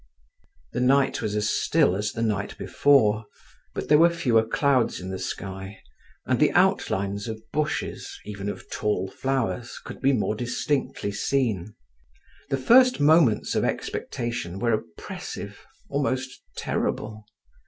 The night was as still as the night before, but there were fewer clouds in the sky, and the outlines of bushes, even of tall flowers, could be more distinctly seen. The first moments of expectation were oppressive, almost terrible.